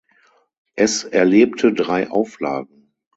Es erlebte drei Auflagen.